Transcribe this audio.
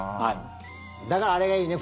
だからあれがいいね。